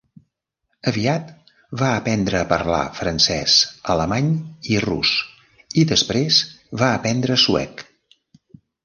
Aviat va aprendre a parlar francès, alemany i rus i després va aprendre suec.